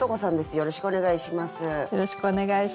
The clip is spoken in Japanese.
よろしくお願いします。